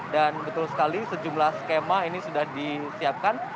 dan betul sekali sejumlah skema ini sudah disiapkan